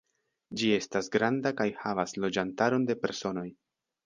Ĝi estas granda kaj havas loĝantaron de personoj.